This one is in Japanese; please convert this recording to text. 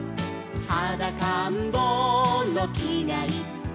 「はだかんぼうのきがいっぽん」